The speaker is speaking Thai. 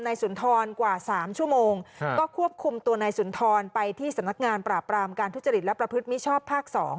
สุนทรกว่า๓ชั่วโมงก็ควบคุมตัวนายสุนทรไปที่สำนักงานปราบรามการทุจริตและประพฤติมิชชอบภาค๒